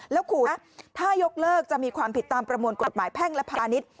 แล้วคุณถ้ายกเลิกจะมีความผิดตามประมวลกฎหมายแพ่งและพาณิชย์